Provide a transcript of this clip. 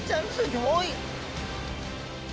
ギョい！